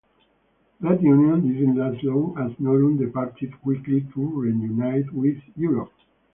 That union didn't last long as Norum departed quickly to re-unite with Europe.